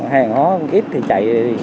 hèn hóa ít thì chạy